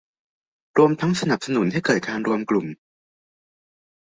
รวมทั้งสนับสนุนให้เกิดการรวมกลุ่ม